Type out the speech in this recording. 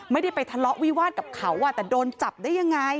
ไม่ได้ไปทะเลาะวิวาสกับเขาแต่โดนจับได้ยังไง